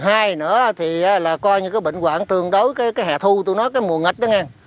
hai nữa thì là coi như cái bệnh quản tương đối cái hẹ thu tôi nói cái mùa nghịch đó nghe